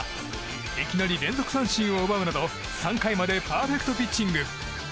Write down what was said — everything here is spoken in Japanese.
いきなり連続三振を奪うなど３回までパーフェクトピッチング。